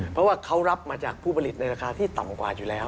เพราะว่าเขารับมาจากผู้ผลิตในราคาที่ต่ำกว่าอยู่แล้ว